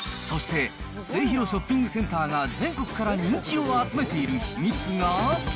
そして、末広ショッピングセンターが全国から人気を集めている秘密が。